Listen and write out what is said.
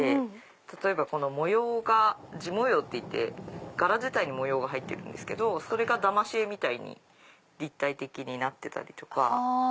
例えばこの模様が地模様っていって柄自体に模様が入ってるんですけどそれがだまし絵みたいに立体的になってたりとか。